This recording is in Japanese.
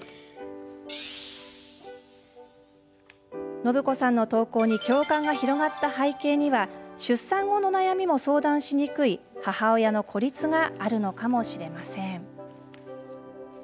のぶこさんの投稿に共感が広がった背景には出産後の悩みも相談しにくい母親の孤立があるのかもしれません。